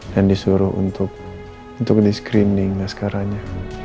dan disuruh untuk di screening askaranya